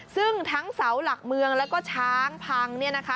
ซึ่งทั้งเสาหลักเมืองแล้วก็ช้างพังเนี่ยนะคะ